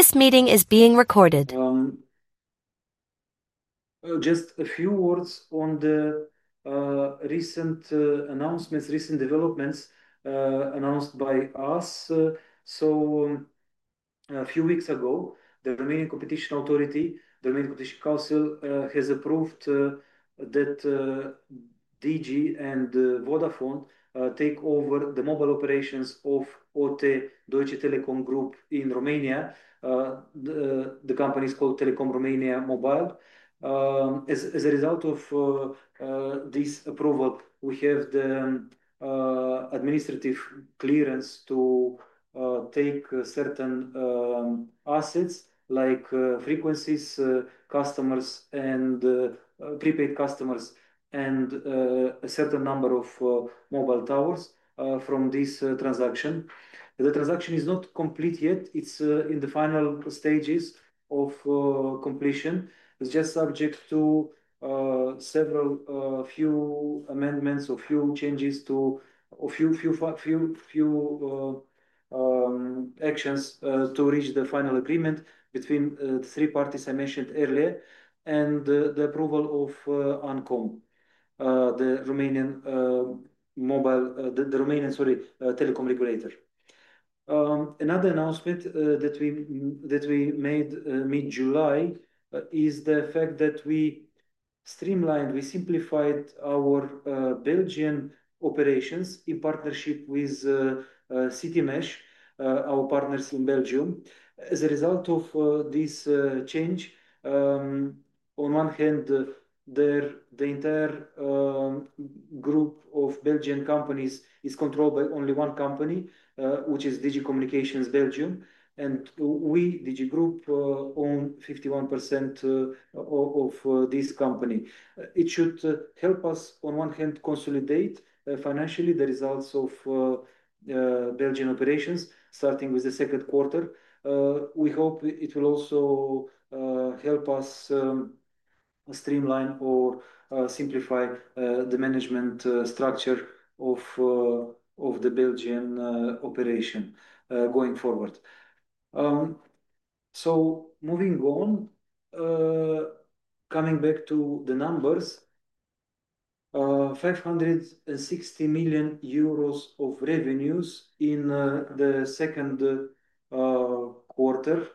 This meeting is being recorded. Oh, just a few words on the recent announcements, recent developments announced by us. A few weeks ago, the Romanian Competition Authority, the Romanian Competition Council, has approved that Digi and Vodafone take over the mobile operations of OTE Deutsche Telekom Group in Romania. The company is called Telekom Romania Mobile. As a result of this approval, we have the administrative clearance to take certain assets like frequencies, customers, and prepaid customers, and a certain number of mobile towers from this transaction. The transaction is not complete yet. It's in the final stages of completion. It's just subject to several amendments or changes to a few actions to reach the final agreement between the three parties I mentioned earlier and the approval of ANCOM, the Romanian telecom regulator. Another announcement that we made mid-July is the fact that we streamlined, we simplified our Belgian operations in partnership with Citymesh, our partners in Belgium. As a result of this change, on one hand, the entire group of Belgian companies is controlled by only one company, which is Digi Communications Belgium. We, Digi Group, own 51% of this company. It should help us, on one hand, consolidate financially the results of Belgian operations, starting with the second quarter. We hope it will also help us streamline or simplify the management structure of the Belgian operation going forward. Moving on, coming back to the numbers, 560 million euros of revenues in the second quarter.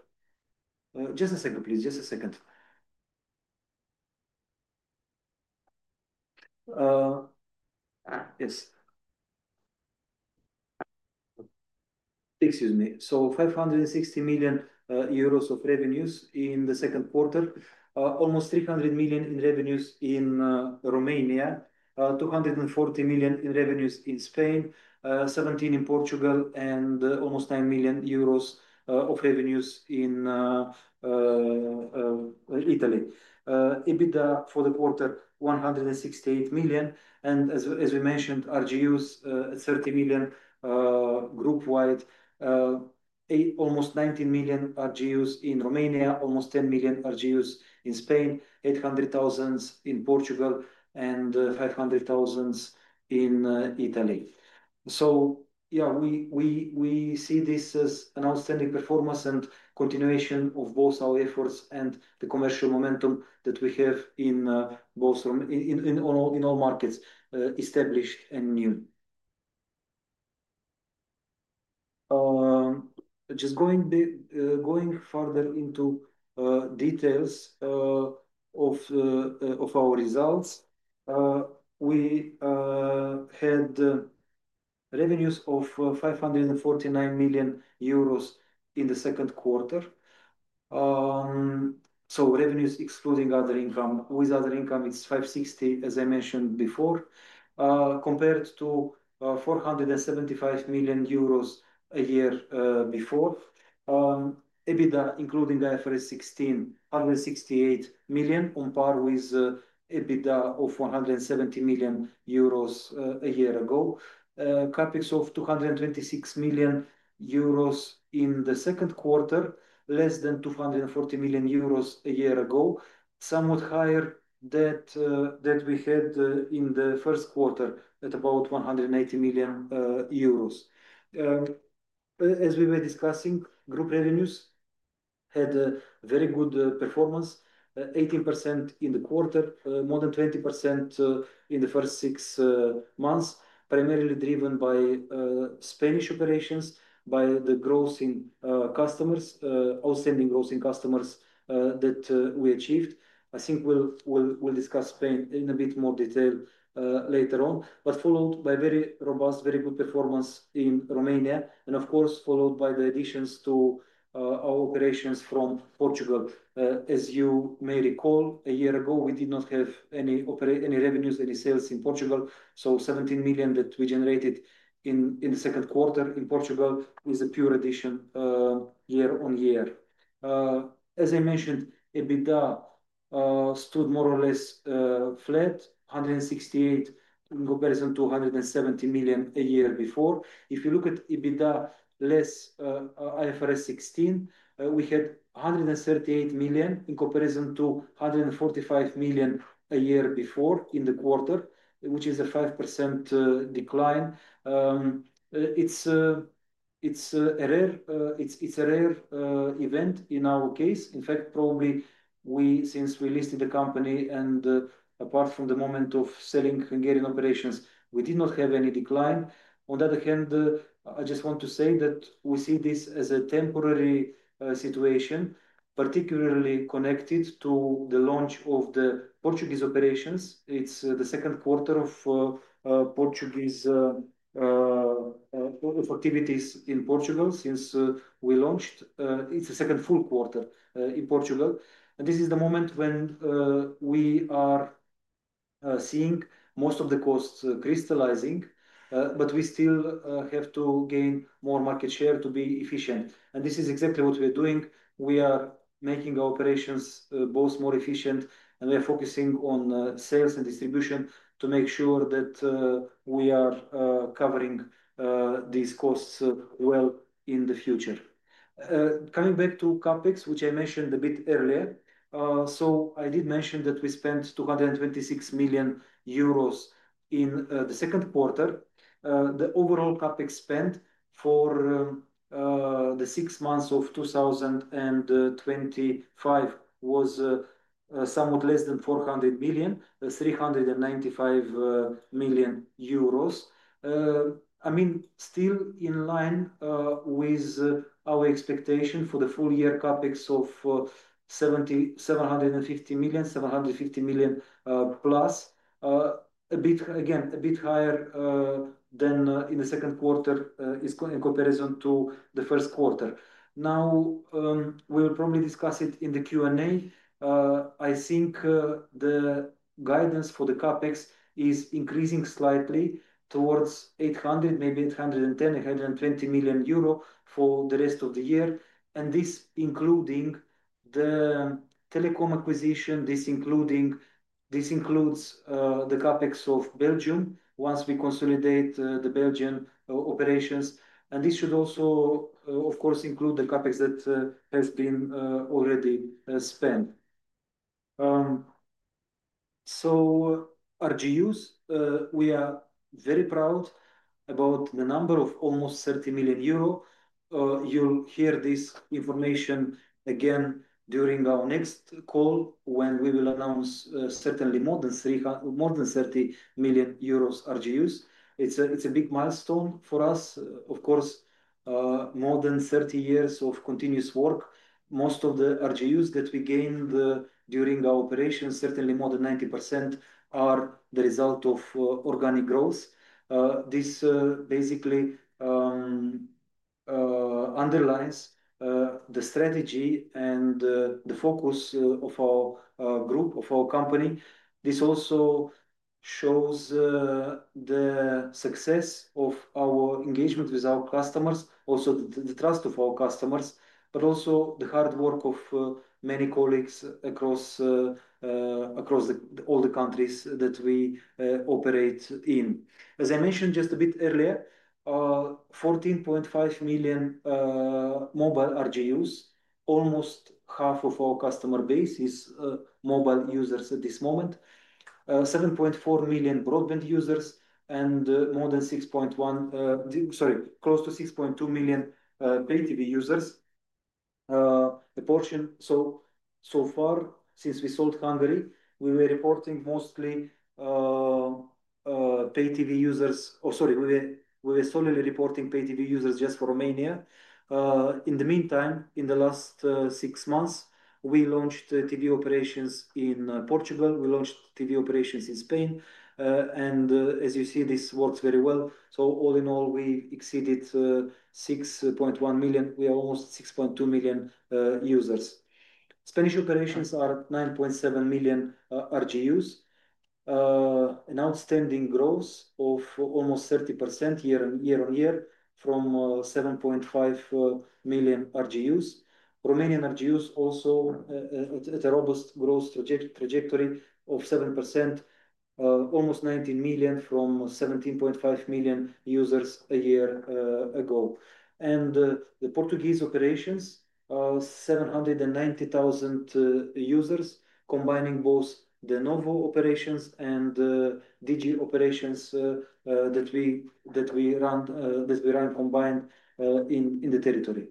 Excuse me. EUR 560 million of revenues in the second quarter, almost 300 million in revenues in Romania, 240 million in revenues in Spain, 17 million in Portugal, and almost 9 million euros of revenues in Italy. EBITDA for the quarter, 168 million. As we mentioned, RGUs, 30 million group-wide, almost 19 million RGUs in Romania, almost 10 million RGUs in Spain, 800,000 in Portugal, and 500,000 in Italy. We see this as an outstanding performance and continuation of both our efforts and the commercial momentum that we have in all markets, established and new. Going further into details of our results, we had revenues of 549 million euros in the second quarter. Revenues excluding other income. With other income, it's 560 million, as I mentioned before, compared to 475 million euros a year before. EBITDA, including the IFRS 16, 168 million on par with EBITDA of 170 million euros a year ago. CapEx of 226 million euros in the second quarter, less than 240 million euros a year ago, somewhat higher than we had in the first quarter at about 180 million euros. As we were discussing, group revenues had a very good performance, 18% in the quarter, more than 20% in the first six months, primarily driven by Spanish operations, by the outstanding grossing customers that we achieved. I think we'll discuss Spain in a bit more detail later on, followed by very robust, very good performance in Romania, and of course, followed by the additions to our operations from Portugal. As you may recall, a year ago, we did not have any revenues, any sales in Portugal. 17 million that we generated in the second quarter in Portugal was a pure addition year on year. As I mentioned, EBITDA stood more or less flat, 168 million in comparison to 170 million a year before. If you look at EBITDA less IFRS 16, we had 138 million in comparison to 145 million a year before in the quarter, which is a 5% decline. It's a rare event in our case. In fact, probably since we listed the company and apart from the moment of selling Hungarian operations, we did not have any decline. On the other hand, I just want to say that we see this as a temporary situation, particularly connected to the launch of the Portuguese operations. It's the second quarter of all activities in Portugal since we launched. It's the second full quarter in Portugal. This is the moment when we are seeing most of the costs crystallizing, but we still have to gain more market share to be efficient. This is exactly what we are doing. We are making our operations both more efficient, and we are focusing on sales and distribution to make sure that we are covering these costs well in the future. Coming back to CapEx, which I mentioned a bit earlier, I did mention that we spent 226 million euros in the second quarter. The overall CapEx spent for the six months of 2025 was somewhat less than 400 million, 395 million euros. Still in line with our expectation for the full-year CapEx of 750 million, 750 million+, again, a bit higher than in the second quarter in comparison to the first quarter. We will probably discuss it in the Q&A. I think the guidance for the CapEx is increasing slightly towards 800 million, maybe 810 million euro, 820 million euro for the rest of the year. This including the telecom acquisition, this includes the CapEx of Belgium once we consolidate the Belgian operations. This should also, of course, include the CapEx that has been already spent. RGUs, we are very proud about the number of almost 30 million euro. You'll hear this information again during our next call when we will announce certainly more than 30 million euros RGUs. It's a big milestone for us. More than 30 years of continuous work. Most of the RGUs that we gained during our operations, certainly more than 90%, are the result of organic growth. This basically underlines the strategy and the focus of our group, of our company. This also shows the success of our engagement with our customers, also the trust of our customers, but also the hard work of many colleagues across all the countries that we operate in. As I mentioned just a bit earlier, 14.5 million mobile RGUs, almost half of our customer base is mobile users at this moment, 7.4 million broadband users, and more than 6.1, sorry, close to 6.2 million Pay TV users. Since we sold Hungary, we were reporting mostly Pay TV users or, sorry, we were solely reporting Pay TV users just for Romania. In the meantime, in the last six months, we launched TV operations in Portugal. We launched TV operations in Spain. As you see, this works very well. All in all, we exceeded 6.1 million. We are almost 6.2 million users. Spanish operations are 9.7 million RGUs. An outstanding growth of almost 30% year on year from 7.5 million RGUs. Romanian RGUs also at a robust growth trajectory of 7%, almost 19 million from 17.5 million users a year ago. The Portuguese operations are 790,000 users, combining both the Novo operations and Digi operations that we run combined in the territory.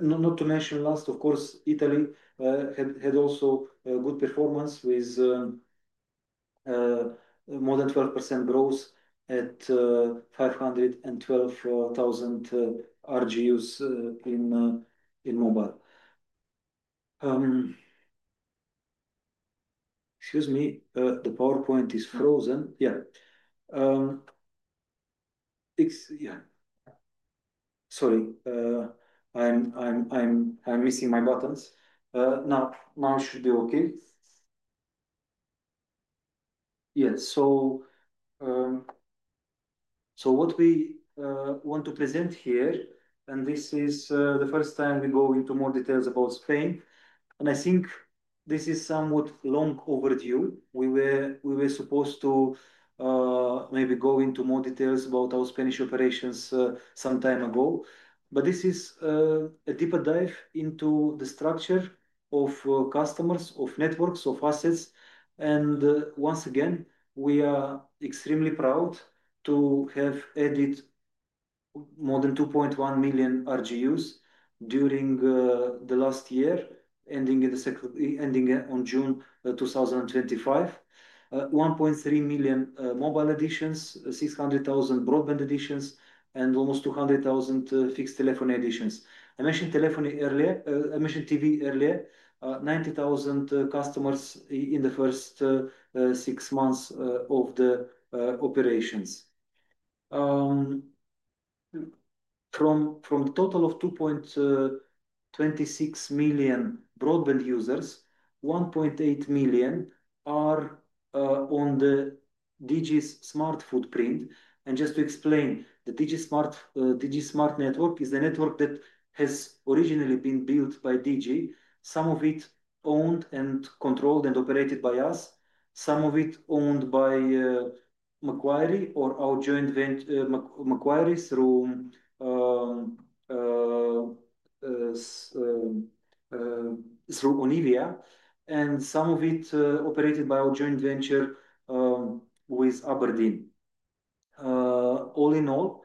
Not to mention last, of course, Italy had also a good performance with more than 12% growth at 512,000 RGUs in mobile. Excuse me, the PowerPoint is frozen. Sorry. I'm missing my buttons. Now it should be okay. What we want to present here, and this is the first time we go into more details about Spain, and I think this is somewhat long overdue. We were supposed to maybe go into more details about our Spanish operations some time ago. This is a deeper dive into the structure of customers, of networks, of assets. Once again, we are extremely proud to have added more than 2.1 million RGUs during the last year, ending on June 2025. 1.3 million mobile additions, 600,000 broadband additions, and almost 200,000 fixed telephone additions. I mentioned TV earlier, 90,000 customers in the first six months of the operations. From a total of 2.26 million broadband users, 1.8 million are on Digi's smart footprint. Just to explain, the Digi smart network is the network that has originally been built by Digi, some of it owned and controlled and operated by us, some of it owned by Macquarie or our joint venture, Macquarie through Onivia, and some of it operated by our joint venture with Aberdeen. All in all,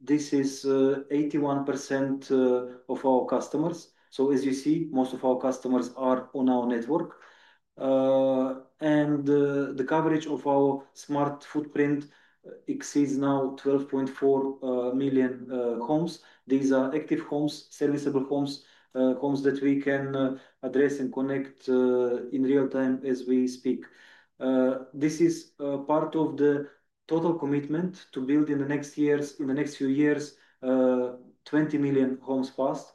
this is 81% of our customers. As you see, most of our customers are on our network. The coverage of our smart footprint exceeds now 12.4 million homes. These are active homes, serviceable homes, homes that we can address and connect in real time as we speak. This is part of the total commitment to build in the next few years, 20 million homes passed.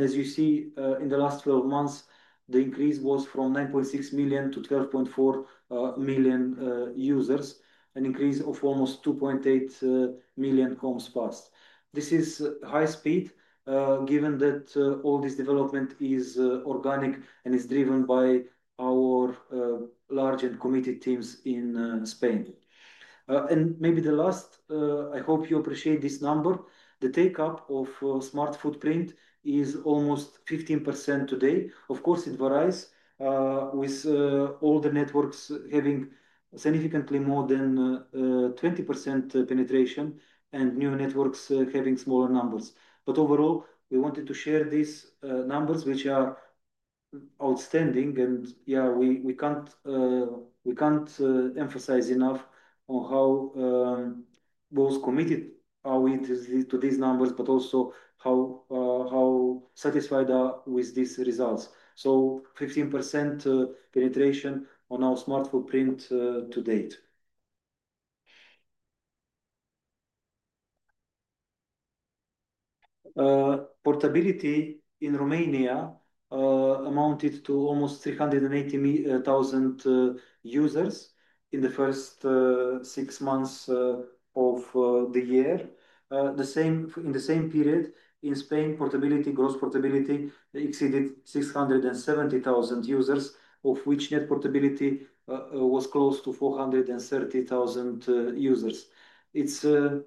As you see, in the last 12 months, the increase was from 9.6 million to 12.4 million users, an increase of almost 2.8 million homes passed. This is high speed, given that all this development is organic and is driven by our large and committed teams in Spain. Maybe the last, I hope you appreciate this number, the take-up of smart footprint is almost 15% today. Of course, it varies with older networks having significantly more than 20% penetration and new networks having smaller numbers. Overall, we wanted to share these numbers, which are outstanding. We can't emphasize enough on how both committed are we to these numbers, but also how satisfied are we with these results. 15% penetration on our smart footprint to date. Portability in Romania amounted to almost 380,000 users in the first six months of the year. In the same period, in Spain, gross portability exceeded 670,000 users, of which net portability was close to 430,000 users. It's a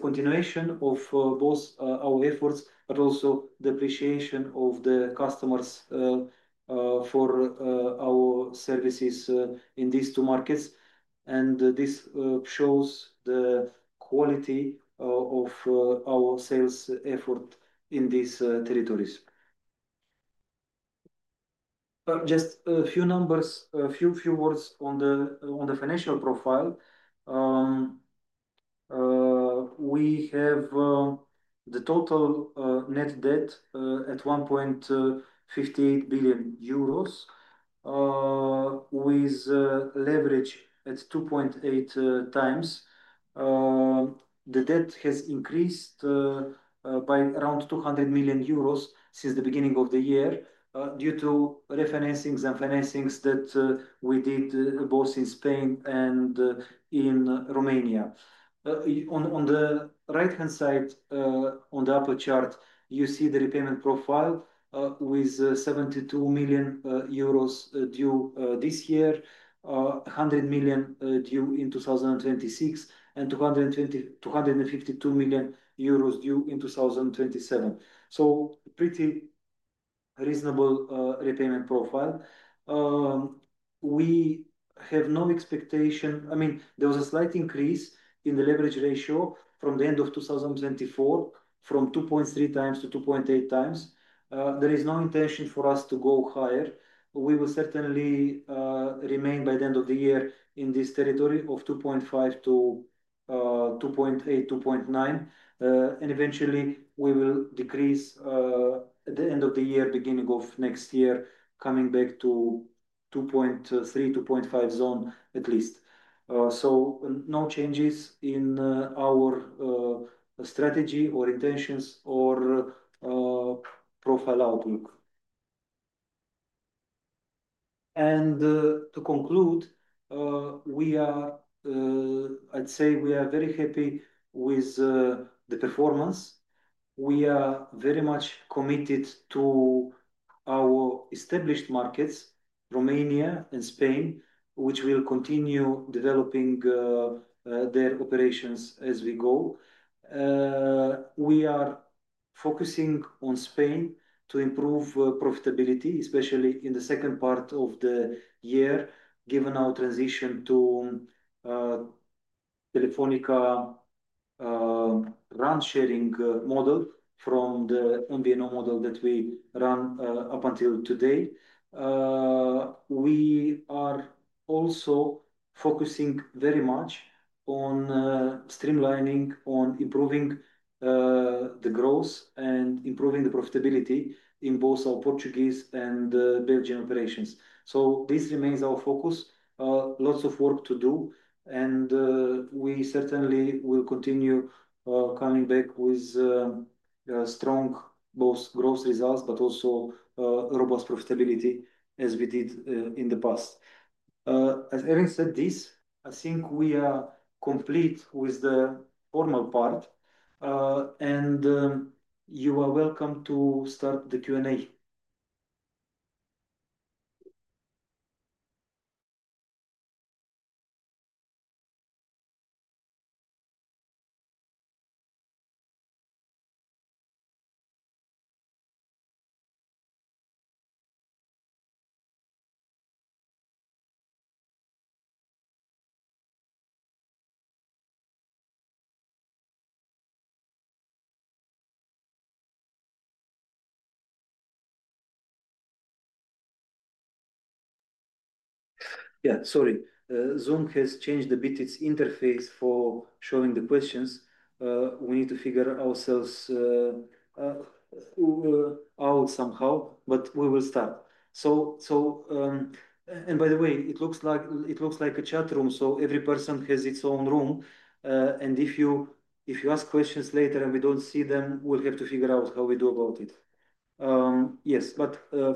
continuation of both our efforts, but also the appreciation of the customers for our services in these two markets. This shows the quality of our sales effort in these territories. Just a few numbers, a few words on the financial profile. We have the total net debt at 1.58 billion euros with leverage at 2.8x. The debt has increased by around 200 million euros since the beginning of the year due to refinancings and financings that we did both in Spain and in Romania. On the right-hand side, on the upper chart, you see the repayment profile with 72 million euros due this year, 100 million due in 2026, and 252 million euros due in 2027. Pretty reasonable repayment profile. We have no expectation. I mean, there was a slight increase in the leverage ratio from the end of 2024, from 2.3x to 2.8x. There is no intention for us to go higher. We will certainly remain by the end of the year in this territory of 2.5 to 2.8, 2.9. Eventually, we will decrease at the end of the year, beginning of next year, coming back to 2.3, 2.5 zone at least. No changes in our strategy or intentions or profile outlook. To conclude, I'd say we are very happy with the performance. We are very much committed to our established markets, Romania and Spain, which will continue developing their operations as we go. We are focusing on Spain to improve profitability, especially in the second part of the year, given our transition to Telefonica's RAN-sharing model from the MVNO model that we run up until today. We are also focusing very much on streamlining, on improving the growth, and improving the profitability in both our Portuguese and Belgian operations. This remains our focus. Lots of work to do. We certainly will continue coming back with strong both gross results, but also robust profitability as we did in the past. Having said this, I think we are complete with the formal part. You are welcome to start the Q&A. Sorry. Zoom has changed a bit its interface for showing the questions. We need to figure ourselves out somehow, but we will start. By the way, it looks like a chat room, so every person has its own room. If you ask questions later and we don't see them, we'll have to figure out how we do about it. Yes, but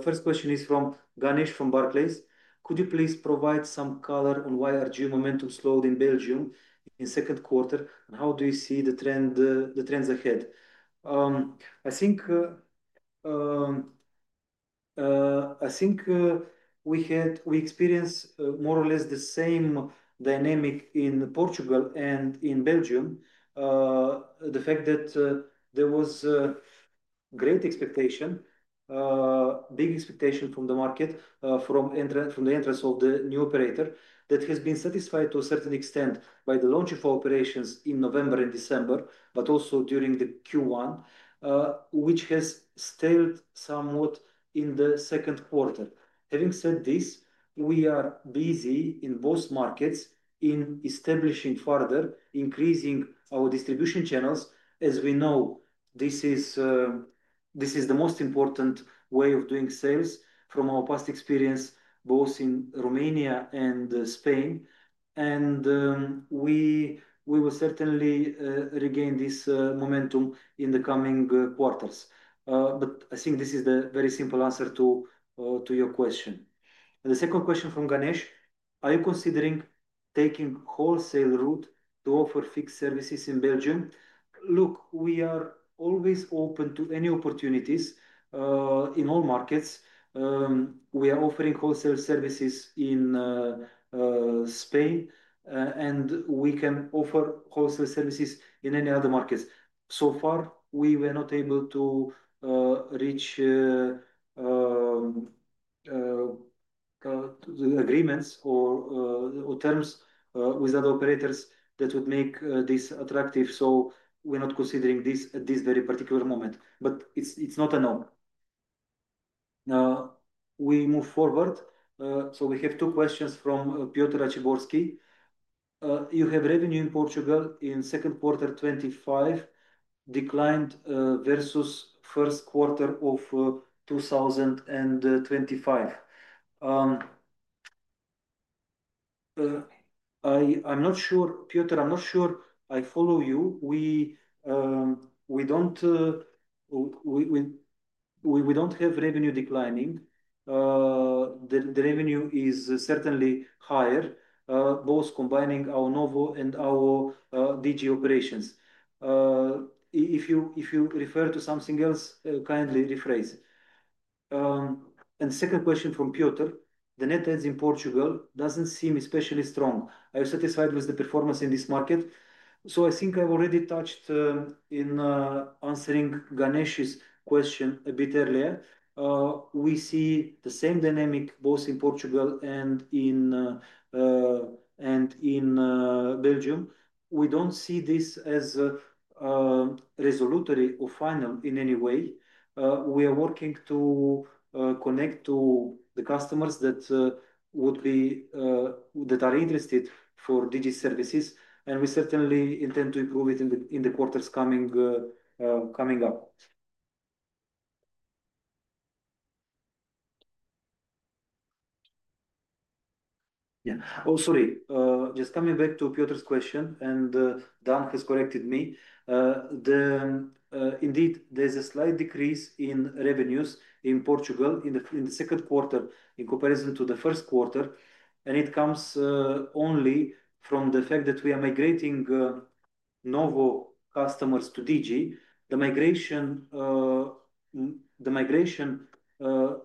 first question is from Ganesh from Barclays. Could you please provide some color on why RGU momentum slowed in Belgium in the second quarter and how do you see the trends ahead? I think we experienced more or less the same dynamic in Portugal and in Belgium. The fact that there was great expectation, big expectation from the market, from the entrance of the new operator that has been satisfied to a certain extent by the launch of our operations in November and December, but also during the Q1, which has stalled somewhat in the second quarter. Having said this, we are busy in both markets in establishing further, increasing our distribution channels. As we know, this is the most important way of doing sales from our past experience, both in Romania and Spain. We will certainly regain this momentum in the coming quarters. I think this is the very simple answer to your question. The second question from Ganesh. Are you considering taking the wholesale route to offer fixed services in Belgium? Look, we are always open to any opportunities in all markets. We are offering wholesale services in Spain, and we can offer wholesale services in any other markets. So far, we were not able to reach agreements or terms with other operators that would make this attractive. We're not considering this at this very particular moment. It's not a no. We move forward. We have two questions from Piotr Raciborski. You have revenue in Portugal in second quarter 2025 declined versus first quarter of 2025. I'm not sure, Piotr, I'm not sure. I follow you. We don't have revenue declining. The revenue is certainly higher, both combining our Novo and our Digi operations. If you refer to something else, kindly rephrase. The second question from Piotr. The net adds in Portugal don't seem especially strong. Are you satisfied with the performance in this market? I think I've already touched on answering Ganesh's question a bit earlier. We see the same dynamic both in Portugal and in Belgium. We don't see this as resolutely or final in any way. We are working to connect to the customers that are interested for Digi services. We certainly intend to improve it in the quarters coming up. Yeah. Oh, sorry. Just coming back to Piotr's question, and Dan has corrected me. Indeed, there's a slight decrease in revenues in Portugal in the second quarter in comparison to the first quarter. It comes only from the fact that we are migrating Novo customers to Digi. The migration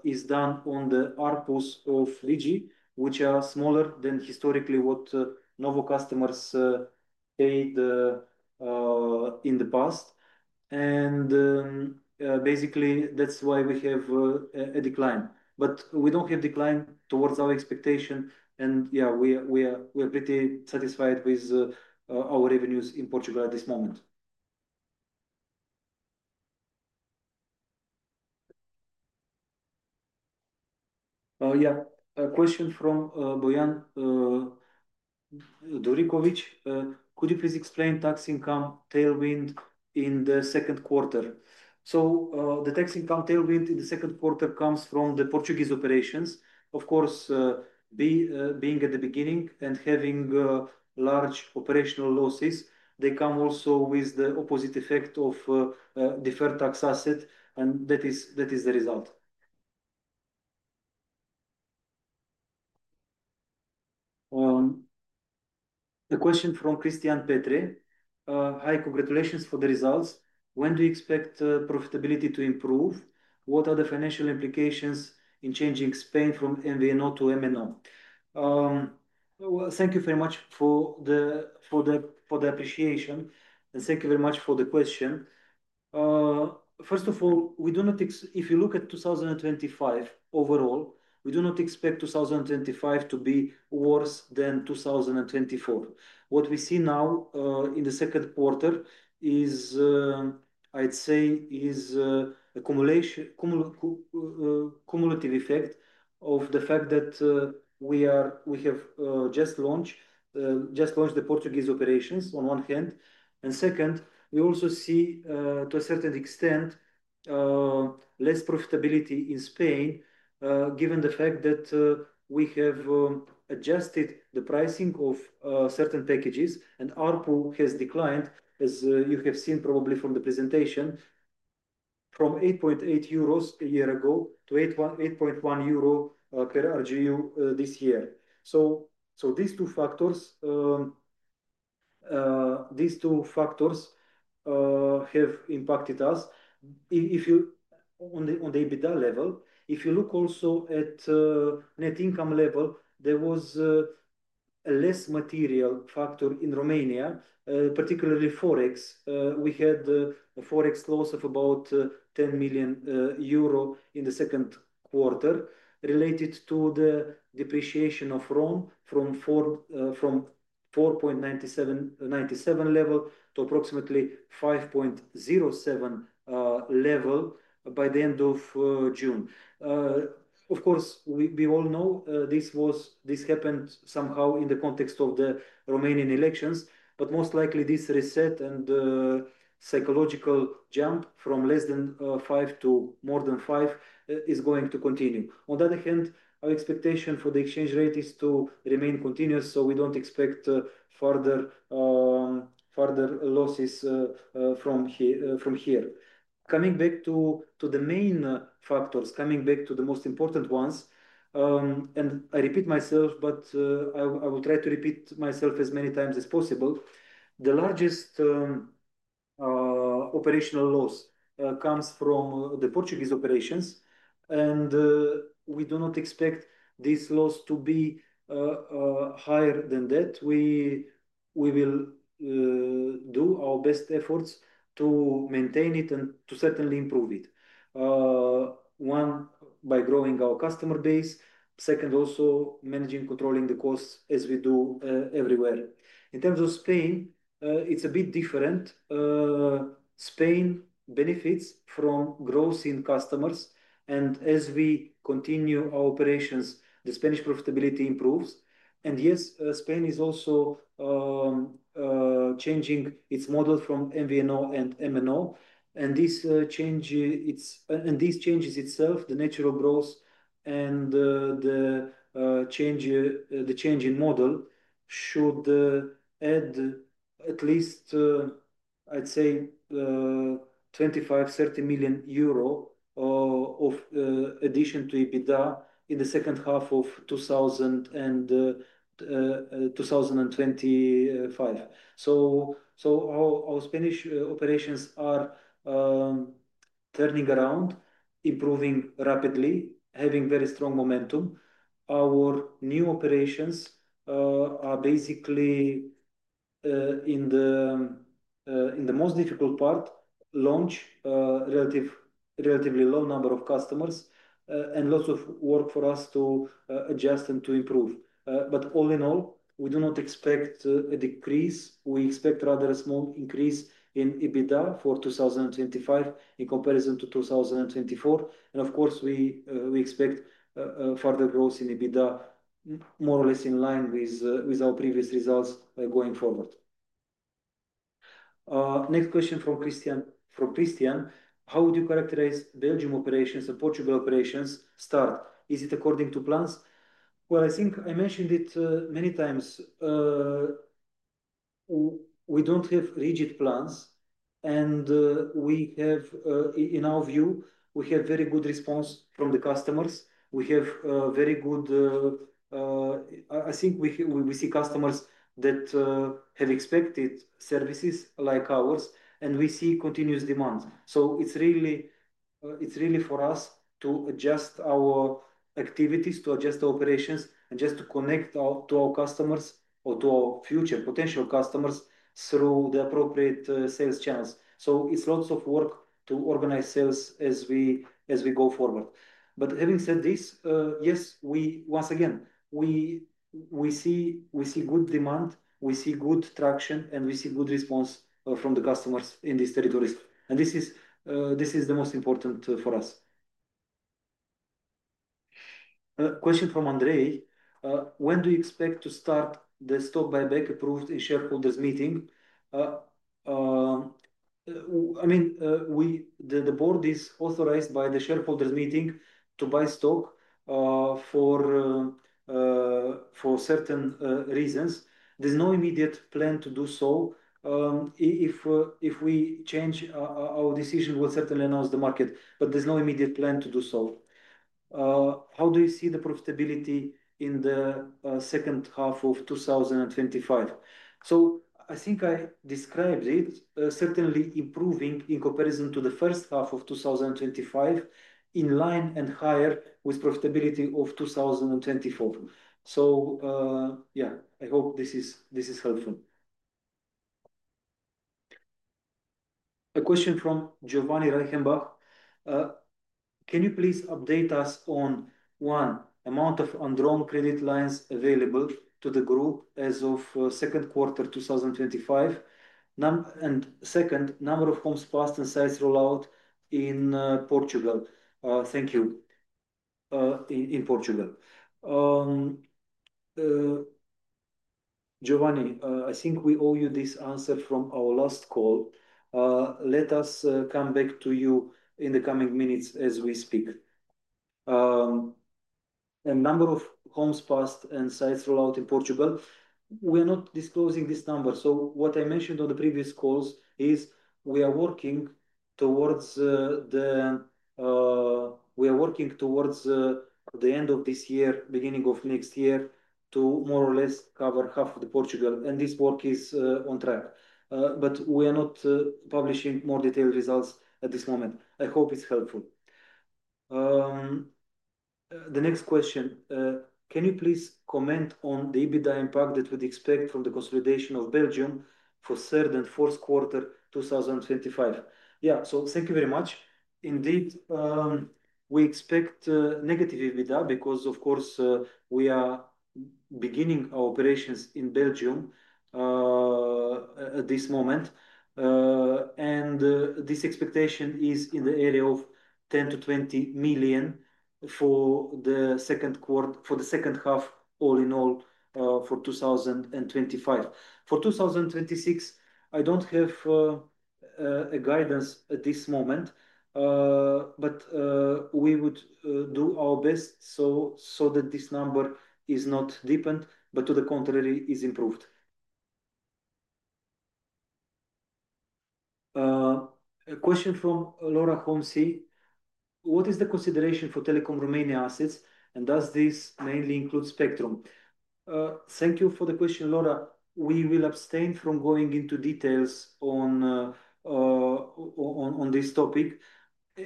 is done on the ARPUs of Digi, which are smaller than historically what Novo customers paid in the past. Basically, that's why we have a decline. We don't have a decline towards our expectation. We are pretty satisfied with our revenues in Portugal at this moment. Oh, yeah. A question from Bojan Djurickovic. Could you please explain tax income tailwind in the second quarter? The tax income tailwind in the second quarter comes from the Portuguese operations. Of course, being at the beginning and having large operational losses, they come also with the opposite effect of deferred tax assets, and that is the result. A question from Cristian Petre. Hi. Congratulations for the results. When do you expect profitability to improve? What are the financial implications in changing Spain from MVNO to MNO? Thank you very much for the appreciation, and thank you very much for the question. First of all, if you look at 2025 overall, we do not expect 2025 to be worse than 2024. What we see now in the second quarter is, I'd say, a cumulative effect of the fact that we have just launched the Portuguese operations on one hand. Second, we also see, to a certain extent, less profitability in Spain given the fact that we have adjusted the pricing of certain packages, and ARPU has declined, as you have seen probably from the presentation, from 8.8 euros a year ago to 8.1 euro per RGU this year. These two factors have impacted us. If you look on the EBITDA level, if you look also at the net income level, there was a less material factor in Romania, particularly Forex. We had a forex loss of about 10 million euro in the second quarter related to the depreciation of RON from 4.97 level to approximately 5.07 level by the end of June. Of course, we all know this happened somehow in the context of the Romanian elections, but most likely, this reset and the psychological jump from less than 5 to more than 5 is going to continue. On the other hand, our expectation for the exchange rate is to remain continuous, so we don't expect further losses from here. Coming back to the main factors, coming back to the most important ones, and I repeat myself, but I will try to repeat myself as many times as possible. The largest operational loss comes from the Portuguese operations, and we do not expect these losses to be higher than that. We will do our best efforts to maintain it and to certainly improve it. One, by growing our customer base. Second, also managing and controlling the costs as we do everywhere. In terms of Spain, it's a bit different. Spain benefits from growth in customers. As we continue our operations, the Spanish profitability improves. Yes, Spain is also changing its model from MVNO and MNO. These changes itself, the natural growth and the change in model should add at least, I'd say, 25 million-30 million euro of addition to EBITDA in the second half of 2025. Our Spanish operations are turning around, improving rapidly, having very strong momentum. Our new operations are basically in the most difficult part, launch, a relatively low number of customers, and lots of work for us to adjust and to improve. All in all, we do not expect a decrease. We expect rather a small increase in EBITDA for 2025 in comparison to 2024. Of course, we expect further growth in EBITDA, more or less in line with our previous results going forward. Next question from Cristian. How would you characterize Belgium operations and Portugal operations' start? Is it according to plans? I think I mentioned it many times. We don't have rigid plans. In our view, we have very good response from the customers. We have very good, I think we see customers that have expected services like ours, and we see continuous demand. It is really for us to adjust our activities, to adjust our operations, and just to connect to our customers or to our future potential customers through the appropriate sales channels. It is lots of work to organize sales as we go forward. Having said this, yes, once again, we see good demand, we see good traction, and we see good response from the customers in these territories. This is the most important for us. Question from Andrei. When do you expect to start the stock buyback approved in shareholders' meeting? The board is authorized by the shareholders' meeting to buy stock for certain reasons. There's no immediate plan to do so. If we change our decision, we'll certainly announce the market. There's no immediate plan to do so. How do you see the profitability in the second half of 2025? I think I described it, certainly improving in comparison to the first half of 2025, in line and higher with profitability of 2024. I hope this is helpful. A question from Giovanni Reichenbach. Can you please update us on, one, amount of on-drone credit lines available to the group as of second quarter 2025? And second, number of homes passed and size rollout in Portugal? Thank you. In Portugal. Giovanni, I think we owe you this answer from our last call. Let us come back to you in the coming minutes as we speak. Number of homes passed and size rollout in Portugal. We are not disclosing this number. What I mentioned on the previous calls is we are working towards the end of this year, beginning of next year, to more or less cover half of Portugal. This work is on track. We are not publishing more detailed results at this moment. I hope it's helpful. The next question. Can you please comment on the EBITDA impact that we'd expect from the consolidation of Belgium for third and fourth quarter 2025? Yeah. Thank you very much. Indeed, we expect negative EBITDA because, of course, we are beginning our operations in Belgium at this moment. This expectation is in the area of 10 million-20 million for the second half, all in all, for 2025. For 2026, I don't have a guidance at this moment, but we would do our best so that this number is not deepened, but to the contrary, is improved. A question from Laura Homsy. What is the consideration for Telekom Romania assets, and does this mainly include Spectrum? Thank you for the question, Laura. We will abstain from going into details on this topic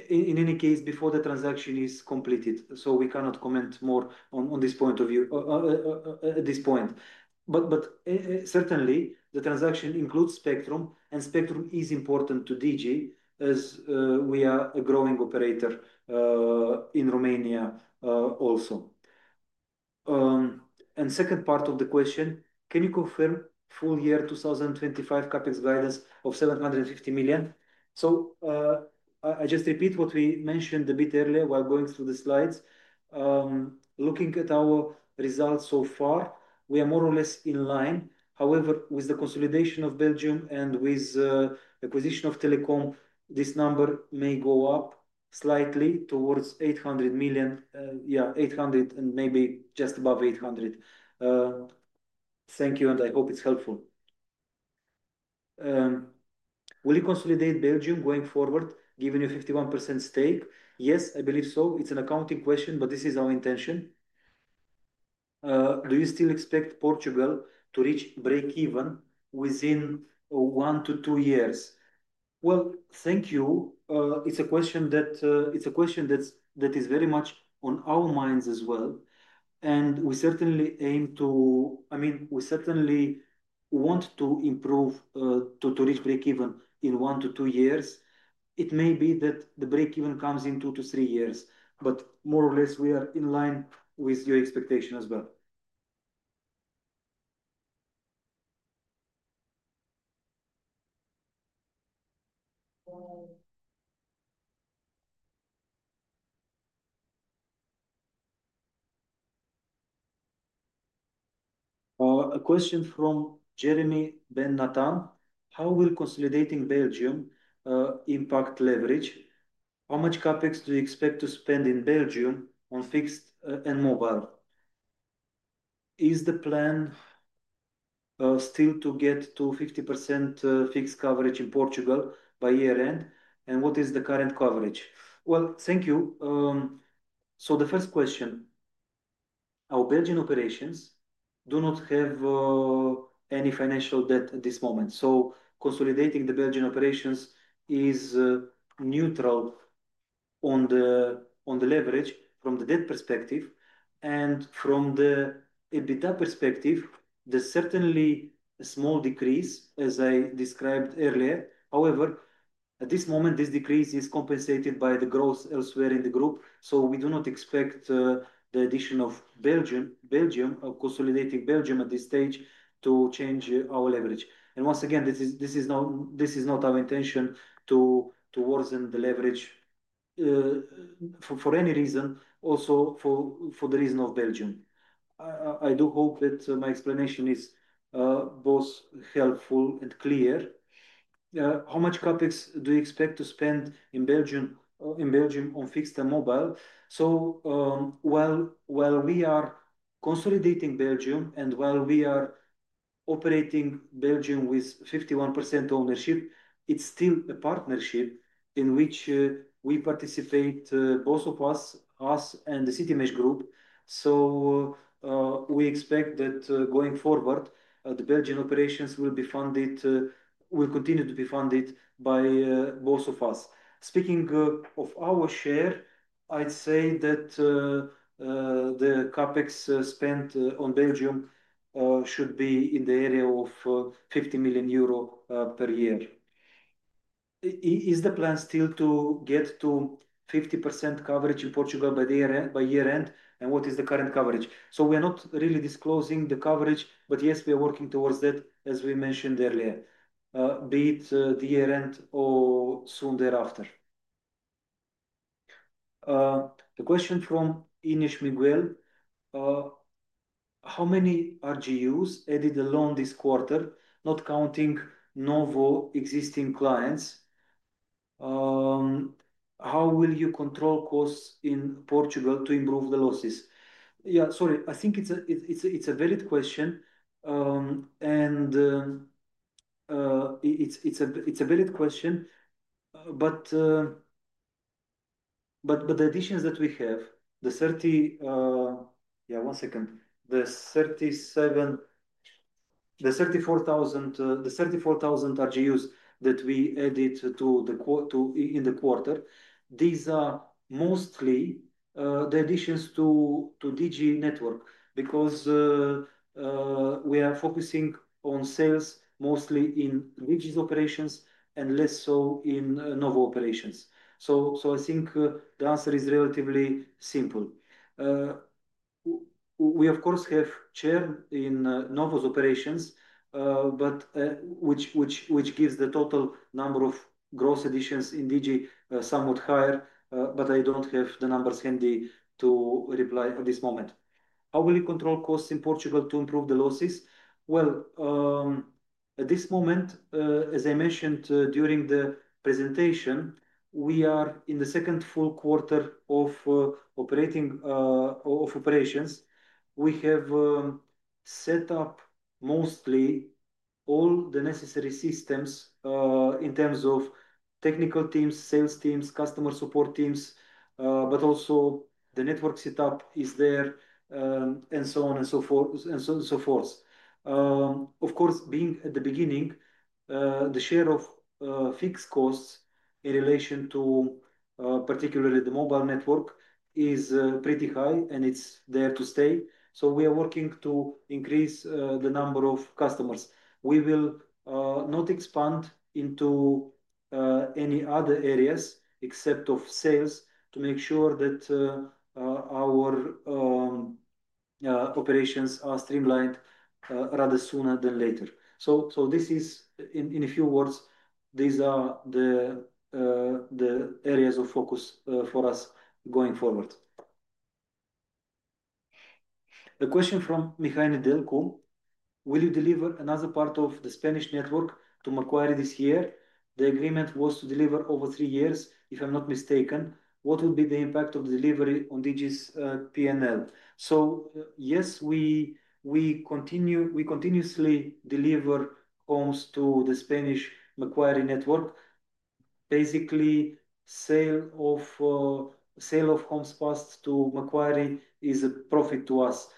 in any case before the transaction is completed. We cannot comment more on this point of view at this point. Certainly, the transaction includes Spectrum, and Spectrum is important to Digi as we are a growing operator in Romania also. The second part of the question, can you confirm full-year 2025 CapEx guidance of 750 million? I just repeat what we mentioned a bit earlier while going through the slides. Looking at our results so far, we are more or less in line. However, with the consolidation of Belgium and with the acquisition of Telekom, this number may go up slightly towards 800 million. Yeah, 800 million and maybe just above 800 million. Thank you, and I hope it's helpful. Will you consolidate Belgium going forward, given your 51% stake? Yes, I believe so. It's an accounting question, but this is our intention. Do you still expect Portugal to reach break-even within one to two years? Thank you. It's a question that is very much on our minds as well. We certainly aim to, I mean, we certainly want to improve to reach break-even in one to two years. It may be that the break-even comes in two to three years. More or less, we are in line with your expectation as well. A question from Jeremy Ben-Nathan. How will consolidating Belgium impact leverage? How much CapEx do you expect to spend in Belgium on fixed and mobile? Is the plan still to get to 50% fixed coverage in Portugal by year-end? What is the current coverage? Thank you. The first question. Our Belgian operations do not have any financial debt at this moment. Consolidating the Belgian operations is neutral on the leverage from the debt perspective. From the EBITDA perspective, there's certainly a small decrease, as I described earlier. However, at this moment, this decrease is compensated by the growth elsewhere in the group. We do not expect the addition of Belgium, consolidating Belgium at this stage, to change our leverage. Once again, this is not our intention to worsen the leverage for any reason, also for the reason of Belgium. I do hope that my explanation is both helpful and clear. How much CapEx do you expect to spend in Belgium on fixed and mobile? While we are consolidating Belgium and while we are operating Belgium with 51% ownership, it's still a partnership in which we participate, both of us, us and the Citymesh Group. We expect that going forward, the Belgian operations will be funded, will continue to be funded by both of us. Speaking of our share, I'd say that the CapEx spent on Belgium should be in the area of 50 million euro per year. Is the plan still to get to 50% coverage in Portugal by year-end? What is the current coverage? We are not really disclosing the coverage, but yes, we are working towards that, as we mentioned earlier, be it the year-end or soon thereafter. The question from Inês Miguel. How many RGUs added along this quarter, not counting Novo existing clients? How will you control costs in Portugal to improve the losses? I think it's a valid question. The additions that we have, the 34,000 RGUs that we added in the quarter, these are mostly the additions to Digi network because we are focusing on sales mostly in Digi's operations and less so in Novo operations. I think the answer is relatively simple. We, of course, have churn in Novo's operations, which gives the total number of gross additions in Digi somewhat higher, but I don't have the numbers handy to reply at this moment. How will you control costs in Portugal to improve the losses? At this moment, as I mentioned during the presentation, we are in the second full quarter of operations. We have set up mostly all the necessary systems in terms of technical teams, sales teams, customer support teams, but also the network setup is there, and so on and so forth. Of course, being at the beginning, the share of fixed costs in relation to particularly the mobile network is pretty high, and it's there to stay. We are working to increase the number of customers. We will not expand into any other areas except sales to make sure that our operations are streamlined rather sooner than later. This is, in a few words, these are the areas of focus for us going forward. A question from Mihai Nedelcu. Will you deliver another part of the Spanish network to Macquarie this year? The agreement was to deliver over three years, if I'm not mistaken. What will be the impact of the delivery on Digi's P&L? Yes, we continuously deliver homes to the Spanish Macquarie network. Basically, sale of homes passed to Macquarie is a profit to us.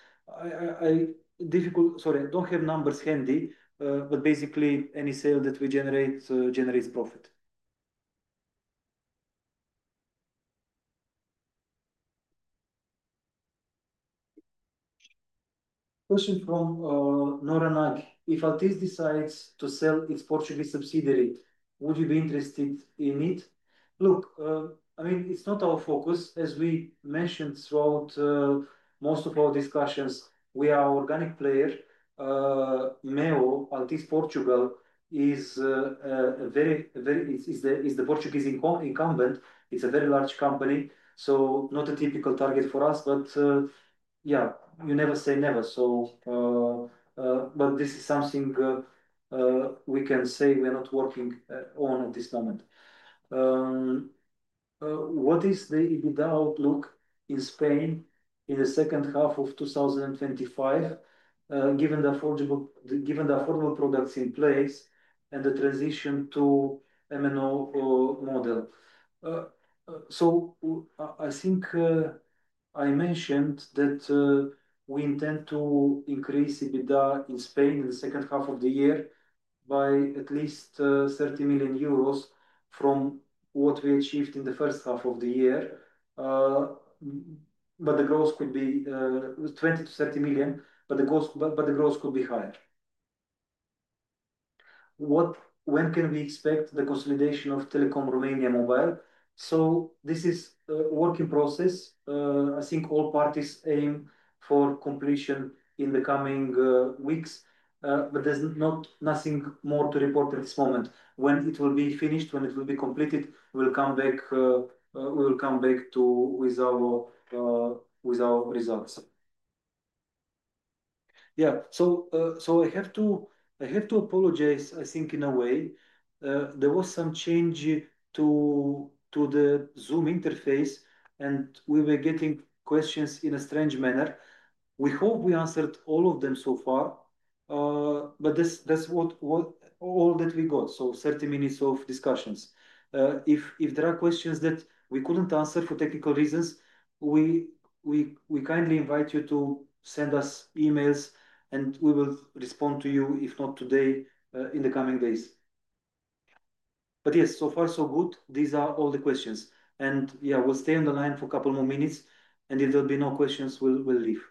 Sorry, I don't have numbers handy, but basically, any sale that we generate generates profit. Question from Nora Nagy. If Altice decides to sell its Portuguese subsidiary, would you be interested in it? Look, I mean, it's not our focus. As we mentioned throughout most of our discussions, we are an organic player. MEO, Altice Portugal, is the Portuguese incumbent. It's a very large company, so not a typical target for us. Yeah, you never say never. This is something we can say we are not working on at this moment. What is the EBITDA outlook in Spain in the second half of 2025, given the affordable products in place and the transition to MNO model? I think I mentioned that we intend to increase EBITDA in Spain in the second half of the year by at least 30 million euros from what we achieved in the first half of the year. The growth could be 20 million-30 million, but the growth could be higher. When can we expect the consolidation of Telekom Romania Mobile? This is a work in process. I think all parties aim for completion in the coming weeks, but there's nothing more to report at this moment. When it will be finished, when it will be completed, we'll come back to you with our results. I have to apologize, I think, in a way. There was some change to the Zoom interface, and we were getting questions in a strange manner. We hope we answered all of them so far, but that's all that we got. Thirty minutes of discussions. If there are questions that we couldn't answer for technical reasons, we kindly invite you to send us emails, and we will respond to you, if not today, in the coming days. Yes, so far, so good. These are all the questions. We'll stay on the line for a couple more minutes, and if there'll be no questions, we'll leave.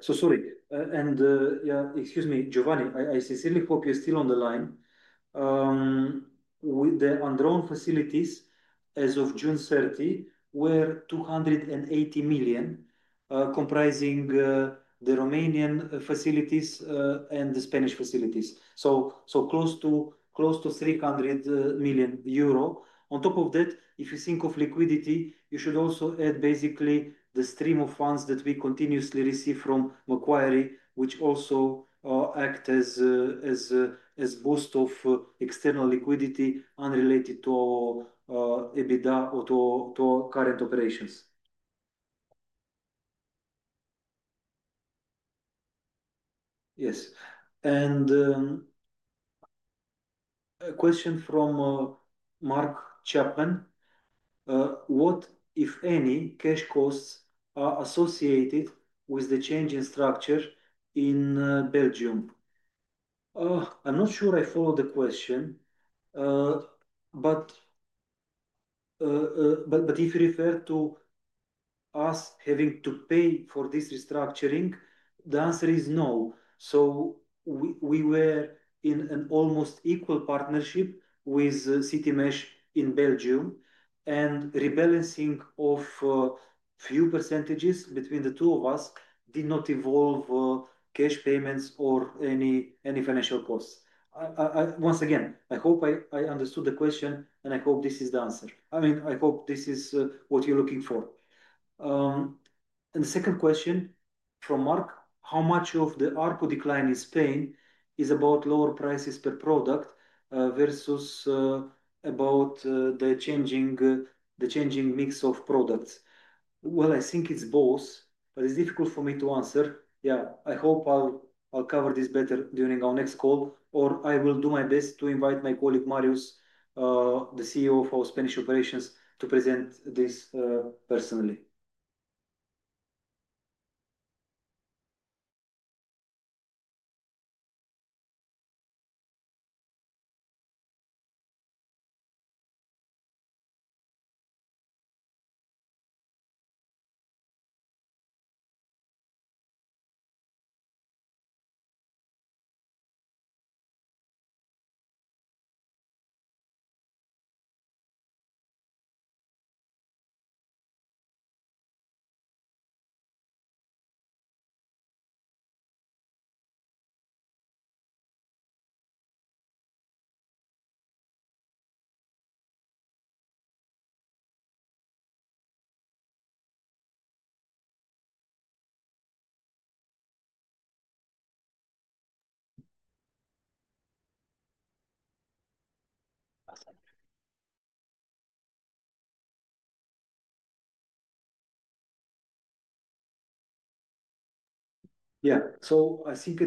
Sorry. Excuse me, Giovanni, I sincerely hope you're still on the line. With the on-drawn facilities, as of June 30, were 280 million, comprising the Romanian facilities and the Spanish facilities. Close to 300 million euro. If you think of liquidity, you should also add basically the stream of funds that we continuously receive from Macquarie, which also act as a boost of external liquidity unrelated to EBITDA or to current operations. Yes. A question from Mark Chapman: What, if any, cash costs are associated with the change in structure in Belgium? I'm not sure I followed the question. If you refer to us having to pay for this restructuring, the answer is no. We were in an almost equal partnership with Citymesh in Belgium, and rebalancing of a few percentages between the two of us did not involve cash payments or any financial costs. I hope I understood the question, and I hope this is the answer. I hope this is what you're looking for. The second question from Mark: How much of the ARPU decline in Spain is about lower prices per product versus about the changing mix of products? I think it's both, but it's difficult for me to answer. I hope I'll cover this better during our next call, or I will do my best to invite my colleague Marius, the CEO of our Spanish operations, to present this personally. At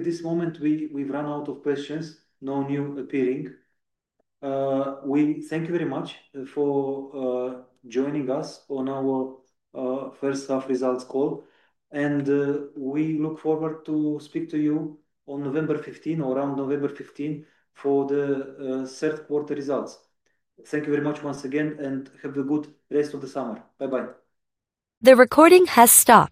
this moment, we've run out of questions, no new appearing. We thank you very much for joining us on our first half results call. We look forward to speaking to you on November 15 or around November 15 for the third quarter results. Thank you very much once again, and have a good rest of the summer. Bye-bye. The recording has stopped.